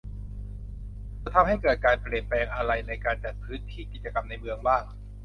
จะทำให้เกิดการเปลี่ยนแปลงอะไรในการจัดพื้นที่กิจกรรมในเมืองบ้าง